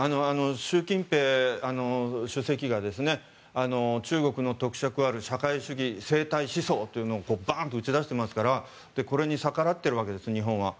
習近平主席が、中国の特色ある社会主義生体思想というのもバーンと打ち出していますからこれに逆らっているわけです日本は。